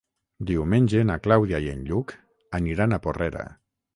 Diumenge na Clàudia i en Lluc aniran a Porrera.